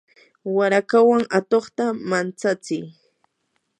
warakawan atuqta mantsachi.